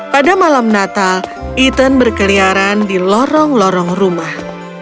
pada malam natal ethan berkeliaran di lorong lorong rumah